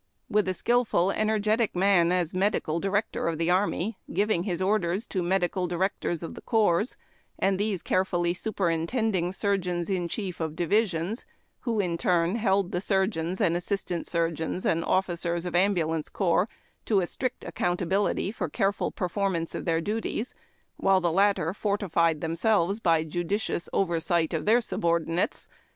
With a skil ful, energetic man as medical director of tlie army, giving his orders to medical directors of C()r[)S, and these carefully superintending surgeons in chief of divisions, avIio, in turn, held the surgeons and assistant surgfeons and officers of ambulance corps to a strict accountal)ility for a careful per formance of their duties, while tlie latter fortified them selves by judicious oversight of their sulK)rdinates.